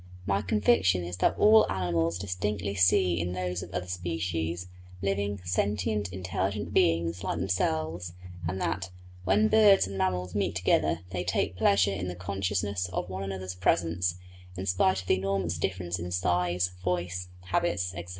My conviction is that all animals distinctly see in those of other species, living, sentient, intelligent beings like themselves; and that, when birds and mammals meet together, they take pleasure in the consciousness of one another's presence, in spite of the enormous difference in size, voice, habits, etc.